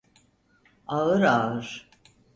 Ağır ağır.